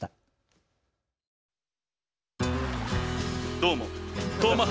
どうも。